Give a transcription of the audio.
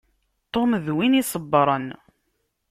Tom d win isebbṛen.